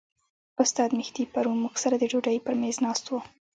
استاد مهدي پرون موږ سره د ډوډۍ پر میز ناست و.